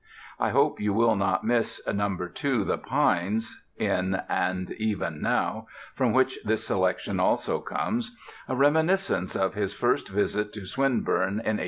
I hope you will not miss "No. 2 The Pines" (in And Even Now, from which this selection also comes), a reminiscence of his first visit to Swinburne in 1899.